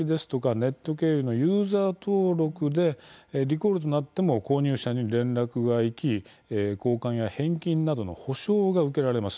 ネット経由のユーザー登録でリコールとなっても購入者に連絡がいき交換や返金などの補償が受けられます。